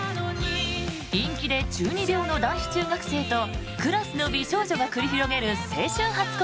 陰気で中二病の男子中学生とクラスの美少女が繰り広げる青春初恋